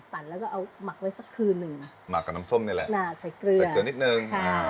ปั่นแล้วก็เอาหมักไว้สักคืนนึงหมักกับน้ำส้มเนี่ยแหละใส่เกลือนิดนึง